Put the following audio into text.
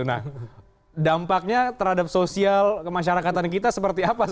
nah dampaknya terhadap sosial kemasyarakatan kita seperti apa